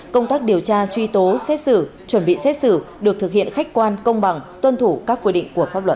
công tác điều tra truy tố xét xử chuẩn bị xét xử được thực hiện khách quan công bằng tuân thủ các quy định của pháp luật